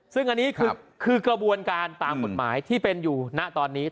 ซึ่งอันนี้คือกระบวนการตามกฎหมายที่เป็นอยู่ณตอนนี้